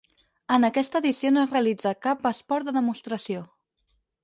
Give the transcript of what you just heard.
En aquesta edició no es realitzà cap esport de demostració.